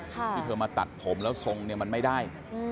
ที่เธอมาตัดผมแล้วทรงเนี่ยมันไม่ได้